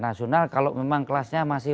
nasional kalau memang kelasnya masih